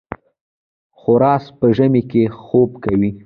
خرس په ژمي کې خوب کوي